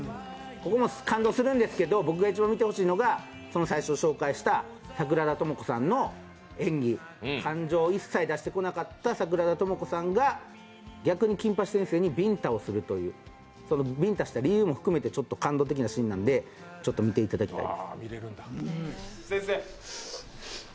ここも感動するんですけど、僕が一番見てほしいのが、その最初に紹介した桜田友子さんの演技、感情を一切出してこなかった桜田友子さんが逆に金八先生にビンタをするという、ビンタした理由も含めて感動的なシーンなので見ていただきたい。